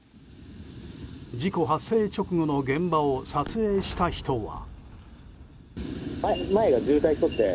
事故発生直後の現場を撮影した人は。